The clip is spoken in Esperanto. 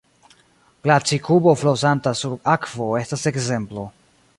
Glaci-kubo flosanta sur akvo estas ekzemplo.